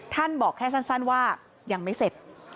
บอกแค่สั้นว่ายังไม่เสร็จ